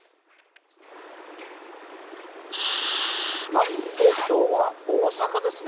なんと今日は大阪ですね。